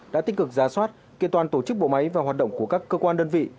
đã tích cực ra soát kiện toàn tổ chức bộ máy và hoạt động của các cơ quan đơn vị